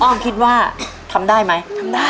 อ้อมคิดว่าทำได้ไหม